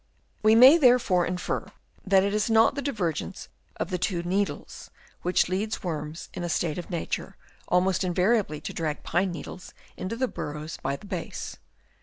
We may therefore infer that it is not the divergence of the two needles which leads worms in a state of nature almost invariably to drag pine leaves into their burrows by the base.